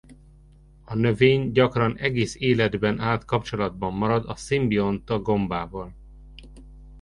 A növény gyakran egész életben át kapcsolatban marad a szimbionta gombával.